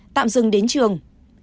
tạm dừng đến trường